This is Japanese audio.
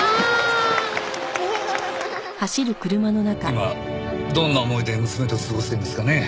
今どんな思いで娘と過ごしてるんですかね。